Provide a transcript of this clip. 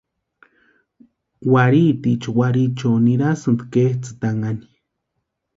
Warhitiicha warhichio ninhasïnti ketsʼïtanhani.